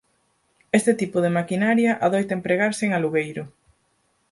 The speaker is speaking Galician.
Este tipo de maquinaria adoita empregarse en alugueiro.